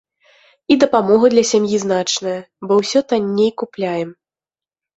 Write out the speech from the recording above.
І дапамога для сям'і значная, бо ўсё танней купляем.